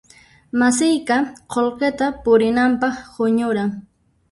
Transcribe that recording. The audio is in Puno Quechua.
Masiyqa qullqita purinanpaq huñuran.